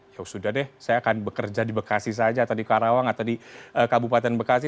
ya sudah deh saya akan bekerja di bekasi saja atau di karawang atau di kabupaten bekasi